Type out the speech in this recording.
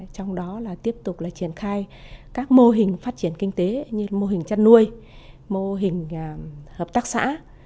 trong đó là tiếp tục là triển khai các mô hình phát triển kinh tế như mô hình chăn nuôi mô hình hợp tác xã